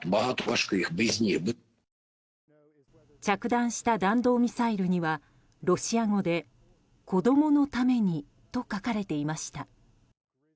着弾した弾道ミサイルにはロシア語で子供のためにと書かれていました。